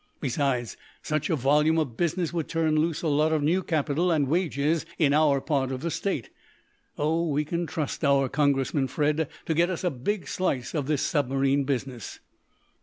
Besides, such a volume of business would turn loose a lot of new capital and wages in our part of the state. Oh, we can trust our Congressmen, Fred, to get us a big slice of this submarine business."